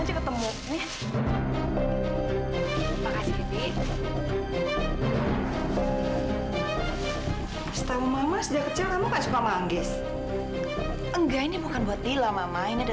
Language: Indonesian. setau mama sejak kecil kamu suka manggis enggak ini bukan buat lila mama ini ada